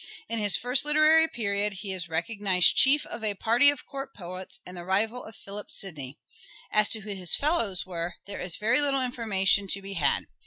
In his first literary period he is the recognized chief of a party of court poets, and the rival of Philip Sidney. As to who his fellows were, there is very little information to be had.